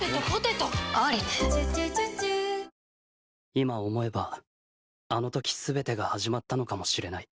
今、思えば、あの時全てが始まったのかもしれない。